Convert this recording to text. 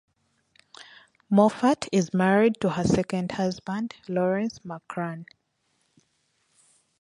Moffat is married to her second husband Lawrence McCran.